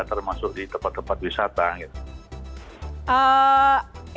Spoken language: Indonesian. termasuk di tempat tempat wisata gitu